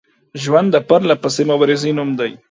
ژوند د پرلپسې مبارزې نوم دی